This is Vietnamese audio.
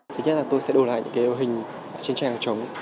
thứ nhất là tôi sẽ đổ lại những cái hình trên tranh hàng chống